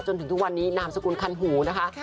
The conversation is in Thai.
จนถึงทุกวันนี้นามสกุลคันหูนะคะ